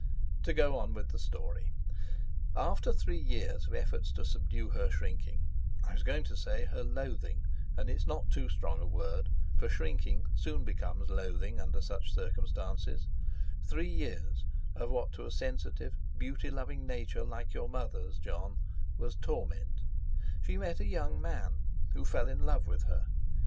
To go on with the story. After three years of effort to subdue her shrinking—I was going to say her loathing and it's not too strong a word, for shrinking soon becomes loathing under such circumstances—three years of what to a sensitive, beauty loving nature like your mother's, Jon, was torment, she met a young man who fell in love with her.